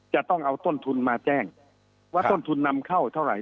จะต้องเอาต้นทุนมาแจ้งว่าต้นทุนนำเข้าเท่าไหร่